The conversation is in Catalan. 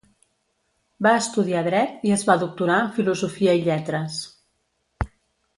Va estudiar Dret i es va doctorar en Filosofia i Lletres.